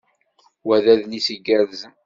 Wa d adlis igerrzen.